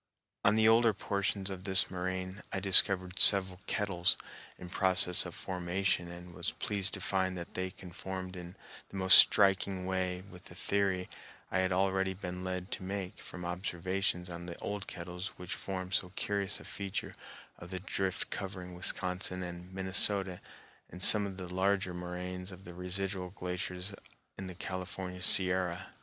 On the older portions of this moraine I discovered several kettles in process of formation and was pleased to find that they conformed in the most striking way with the theory I had already been led to make from observations on the old kettles which form so curious a feature of the drift covering Wisconsin and Minnesota and some of the larger moraines of the residual glaciers in the California Sierra.